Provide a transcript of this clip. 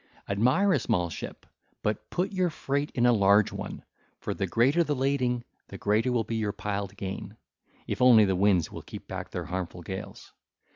Admire a small ship, but put your freight in a large one; for the greater the lading, the greater will be your piled gain, if only the winds will keep back their harmful gales.